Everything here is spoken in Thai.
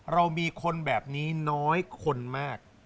เรามีคนแบบนี้น้อยคนมาก